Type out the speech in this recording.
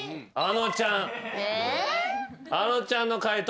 あのちゃんの解答